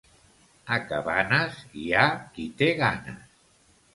A Cabanes, hi ha qui té ganes.